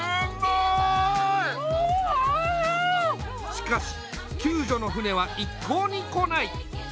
しかし救助の船は一向に来ない。